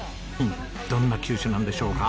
どんな球種なんでしょうか？